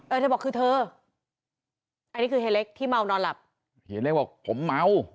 เธอบอกคือเธออันนี้คือเฮียเล็กที่เมานอนหลับเฮียเล็กบอกผมเมา